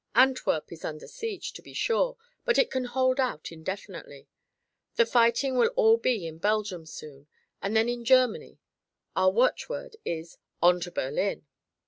Antwerp is under siege, to be sure, but it can hold out indefinitely. The fighting will be all in Belgium soon, and then in Germany. Our watchword is 'On to Berlin!'"